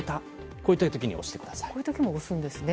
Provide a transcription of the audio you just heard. こういう時も押すんですね。